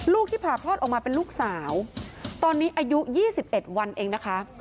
ที่ผ่าคลอดออกมาเป็นลูกสาวตอนนี้อายุ๒๑วันเองนะคะ